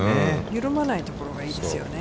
緩まないところがいいですね。